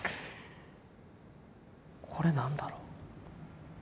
これ何だろう？